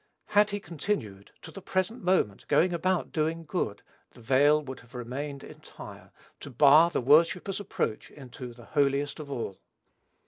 Had he continued, to the present moment, "going about doing good," the veil would have remained entire, to bar the worshipper's approach into "the holiest of all."